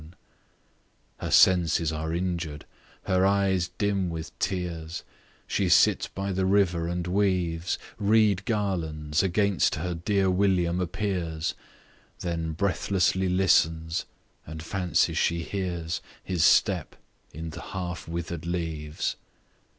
Page 69 Her senses are injured; her eyes dim with tears; She sits by the river and weaves Reed garlands, against her dear William appears, Then breathlessly listens, and fancies she hears His step in the half wither'd leaves.